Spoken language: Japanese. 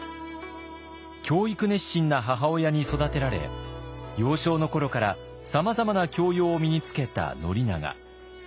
教育熱心な母親に育てられ幼少の頃からさまざまな教養を身につけた宣長。